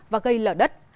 và gây lở đất